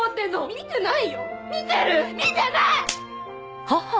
見てない！